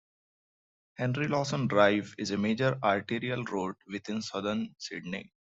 Henry Lawson Drive is a major arterial road within southern Sydney.